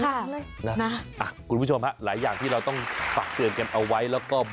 ค่ะคุณผู้ชมหลายอย่างที่เราต้องฝากเตือนเก็บเอาไว้